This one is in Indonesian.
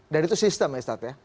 dan itu sistem ya ustaz ya